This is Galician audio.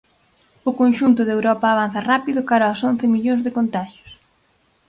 O conxunto de Europa avanza rápido cara aos once millóns de contaxios.